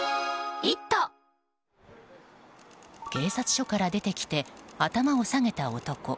警察署から出てきて頭を下げた男。